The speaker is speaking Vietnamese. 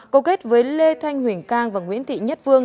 cầu kết với lê thanh huỳnh cang và nguyễn thị nhất vương